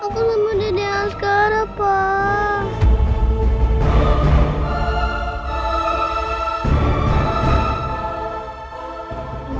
aku sama dedek askaran pak